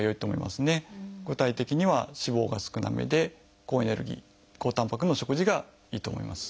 具体的には脂肪が少なめで高エネルギー高たんぱくの食事がいいと思います。